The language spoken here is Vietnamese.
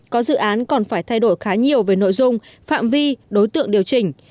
có dự án còn phải thay đổi khá nhiều về nội dung phạm vi đối tượng điều chỉnh